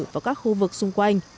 và các khu vực xung quanh